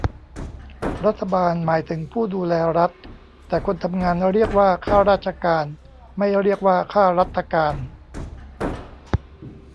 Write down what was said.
รัฐบาล หมายถึงผู้ดูแลรัฐ แต่คนทำงาน เรียกว่าข้าราชการ ไม่เรียกว่าข้ารัฐการ